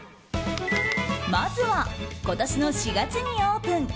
まずは今年の４月にオープン。